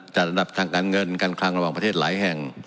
ระดับทางการเงินการคลังระหว่างประเทศหลายแห่ง